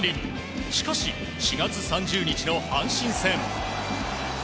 しかし、４月３０日の阪神戦。